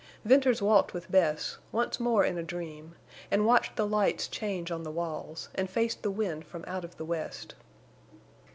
Venters walked with Bess, once more in a dream, and watched the lights change on the walls, and faced the wind from out of the west.